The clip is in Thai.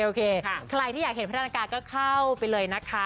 โอเคใครที่อยากเห็นพัฒนาการก็เข้าไปเลยนะคะ